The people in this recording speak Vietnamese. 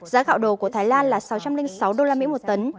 giá gạo đồ của thái lan là sáu trăm linh sáu usd một tấn